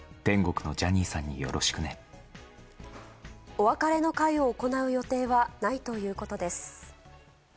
お別れの会を行う予定はないということです。